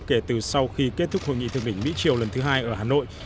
kể từ sau khi kết thúc hội nghị thượng đỉnh mỹ triều lần thứ hai ở hà nội